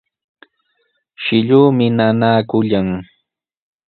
Shilluumi nanaakullan.